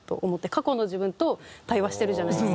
過去の自分と対話してるじゃないですか。